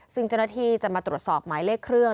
ซึ่งเจ้าหน้าที่จะมาตรวจสอบหมายเลขเครื่อง